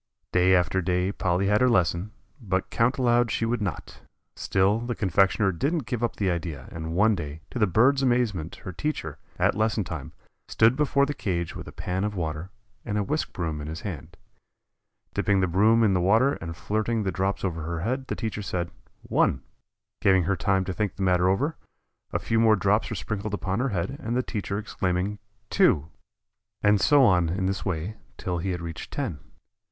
Day after day Polly had her lesson, but count aloud she would not. Still the confectioner didn't give up the idea, and one day, to the bird's amazement her teacher, at lesson time, stood before the cage with a pan of water and a whisk broom in his hand. Dipping the broom in the water and flirting the drops over her head the teacher said, "One." Giving her time to think the matter over, a few more drops were sprinkled upon her head, the teacher exclaiming, "Two," and so on in this way till he had reached ten.